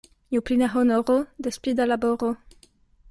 Ju pli da honoro, des pli da laboro.